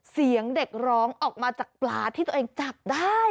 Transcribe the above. เสียงเด็กร้องออกมาจากปลาที่ตัวเองจับได้